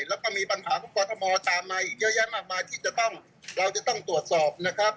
แล้วก็มีปัญหาของกรทมตามมาอีกเยอะแยะมากมายที่จะต้องเราจะต้องตรวจสอบนะครับ